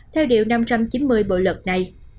theo điều năm trăm chín mươi bộ luật này